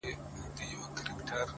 مُلا سړی سو. اوس پر لاره د آدم راغلی.